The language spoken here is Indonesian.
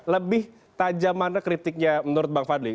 lebih tajam mana kritiknya menurut bang fadli